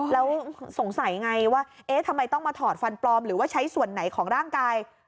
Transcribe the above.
แล้วสงสัยไงว่าเอ๊ะทำไมต้องมาถอดฟันปลอมหรือว่าใช้ส่วนไหนของร่างกาย